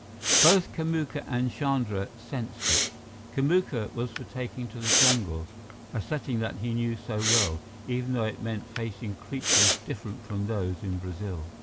Both Kamuka and Chandra sensed it. Kamuka was for taking to the jungle, a setting that he knew so well, even though it meant facing creatures different from those in Brazil.